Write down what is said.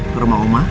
ke rumah oma